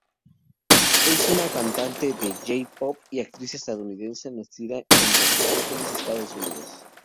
Es una cantante de J-Pop y actriz estadounidense nacida en Los Ángeles, Estados Unidos.